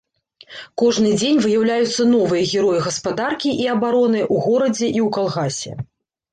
Кожны дзень выяўляюцца новыя героі гаспадаркі і абароны ў горадзе і ў калгасе.